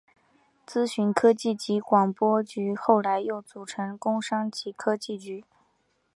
资讯科技及广播局后来又重组成工商及科技局。